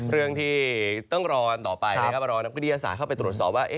เรื่องที่ต้องรอกันต่อไปนะครับรอนักวิทยาศาสตร์เข้าไปตรวจสอบว่า